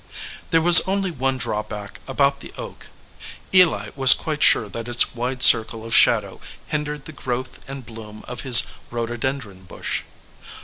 There was only one drawback about the oak Eli was quite sure that its wide circle of shadow hindered the growth and bloom of his rhododen dron bush.